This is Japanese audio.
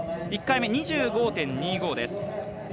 １回目２５．２５です。